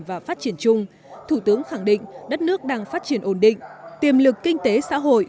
và phát triển chung thủ tướng khẳng định đất nước đang phát triển ổn định tiềm lực kinh tế xã hội